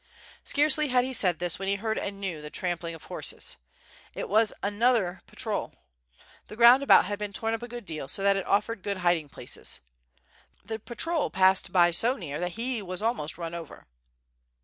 Scarcely had he said this, when he heard anew the tramp ling of horses. It was another patrol. The ground about had been torn up a good deal, so that it offered good hiding places. The patrol passM by so near that he was almost run over.